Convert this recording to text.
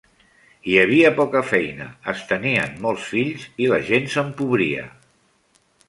Hi havia poca feina, es tenien molts fills i la gent s'empobria.